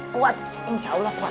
kuat insya allah kuat